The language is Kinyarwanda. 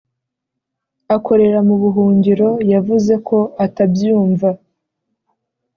akorera mu buhungiro, yavuze ko ata byumva